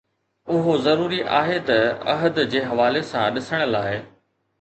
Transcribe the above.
اهو ضروري آهي ته عهد جي حوالي سان ڏسڻ لاء